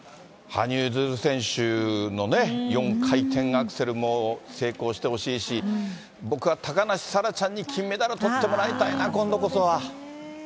羽生結弦選手の４回転アクセルも成功してほしいし、僕は高梨沙羅ちゃんに金メダルとってもらいたいな、今度こそは。